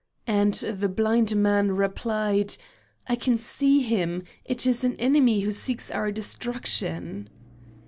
And the blind man replied: "I can see him; it is an enemy who seeks our destruction."